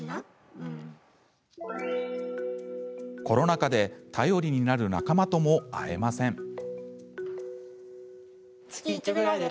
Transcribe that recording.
コロナ禍で頼りになる仲間とも会えません。